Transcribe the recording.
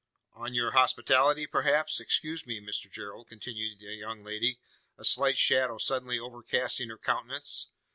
"On your hospitality, perhaps? Excuse me, Mr Gerald!" continued the young lady, a slight shadow suddenly overcasting her countenance.